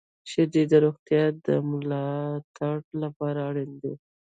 • شیدې د روغتیا د ملاتړ لپاره اړینې دي.